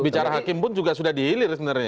bicara hakim pun juga sudah dihilir sebenarnya